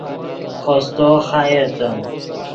خوستو خایتے